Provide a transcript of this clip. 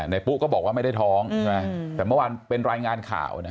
ปุ๊ก็อกบอกว่าไม่ได้ท้องใช่ไหมแต่เมื่อวานเป็นรายงานข่าวนะ